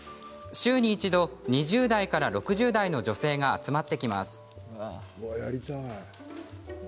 週に一度、２０代から６０代の女性が集まってきます。